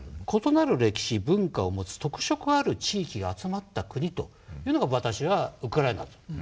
異なる歴史文化を持つ特色ある地域が集まった国というのが私はウクライナだと。